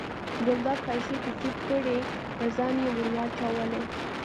ګلداد پیسې په جب کې کړې په ځان یې ور واچولې.